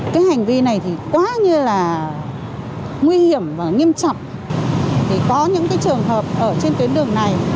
có những trường hợp trên tuyến đường này